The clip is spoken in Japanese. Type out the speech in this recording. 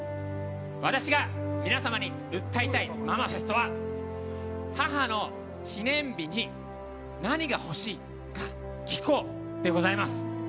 私が皆様に訴えたいママフェストは母の記念日に何が欲しいか聞こうでございます。